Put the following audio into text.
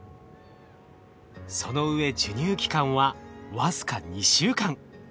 そのうえ授乳期間は僅か２週間。